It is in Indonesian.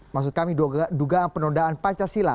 maksud kami dugaan penodaan pancasila